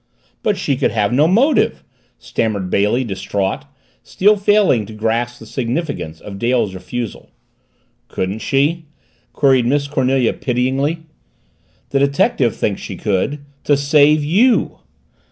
"But she could have no motive!" stammered Bailey, distraught, still failing to grasp the significance of Dale's refusal. "Couldn't she?" queried Miss Cornelia pityingly. "The detective thinks she could to save you!"